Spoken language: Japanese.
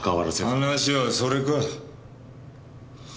話はそれか。